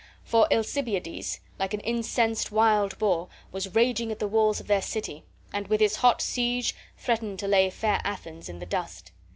For Alcibiades, like an incensed wild boar, was raging at the walls of their city, and with his hot siege threatened to lay fair Athens in the dust.